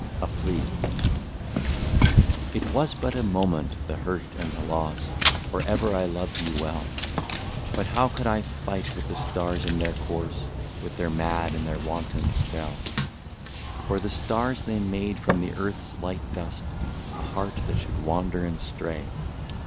156 A PLEA. " It was but a moment, — the hurt and the loss — For ever I loved you well ; But how could I fight with the stars in their course, With their mad and their wanton spell ?" For the stars they made from the earth's light dust A heart that should wander and stray.